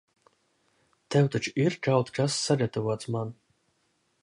Tev taču ir kaut kas sagatavots man?